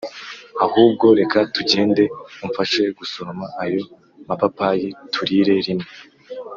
ahubwo reka tugende umfashe gusoroma ayo mapapayi, turire rimwe.